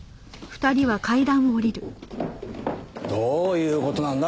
どういう事なんだ？